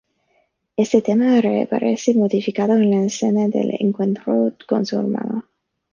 Este tema reaparece modificado en la escena del encuentro con su hermano.